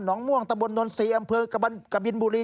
ม่วงตะบนนนทรีย์อำเภอกบินบุรี